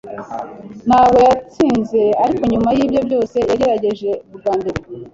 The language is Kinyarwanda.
Ntabwo yatsinze, ariko nyuma yibyo byose yagerageje bwa mbere.